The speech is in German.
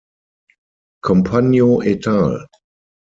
Compagno et al.